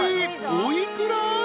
お幾ら？］